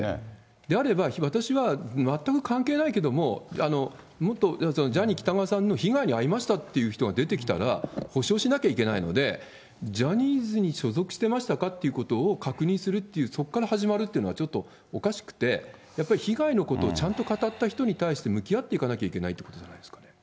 であれば、私は全く関係ないけども、ジャニー喜多川さんの被害に遭いましたっていう人が出てきたら、補償しなきゃいけないので、ジャニーズに所属してましたかっていうことを確認するっていう、そこから始まるっていうのはちょっとおかしくて、やっぱり被害のことを語った人に対して、向き合っていかなきゃいけないってことなんじゃないですかね。